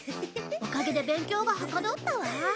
おかげで勉強がはかどったわ。